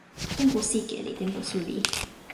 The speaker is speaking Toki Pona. tenpo sike li tenpo suli.